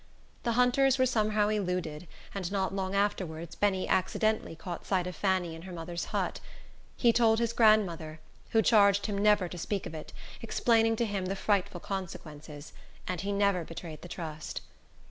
The hunters were somehow eluded; and not long afterwards Benny accidentally caught sight of Fanny in her mother's hut. He told his grandmother, who charged him never to speak of it, explaining to him the frightful consequences; and he never betrayed the trust.